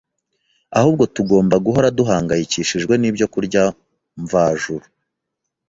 ahubwo tugomba guhora duhangayikishijwe n’ibyokurya mvajuru,